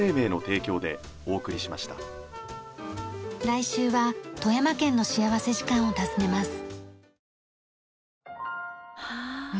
来週は富山県の幸福時間を訪ねます。